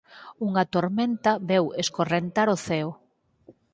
Unha tormenta veu escorrentar o ceo.